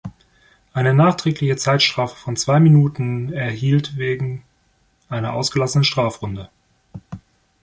Eine nachträgliche Zeitstrafe von zwei Minuten erhielt wegen einer ausgelassenen Strafrunde.